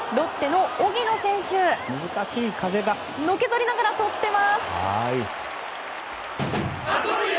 のけぞりながらとってます！